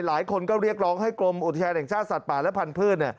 หลายคนก็เรียกร้องให้กรมอุทยานแห่งชาติสัตว์ป่าและพันธุ์